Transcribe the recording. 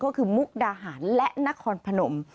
ก็คือมุกดาหารและนครพนม